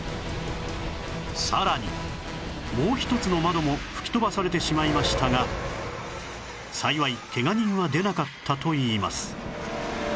さらにもう一つの窓も吹き飛ばされてしまいましたが幸いケガ人は出なかったといいます